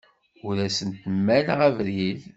Ur asen-mmaleɣ abrid.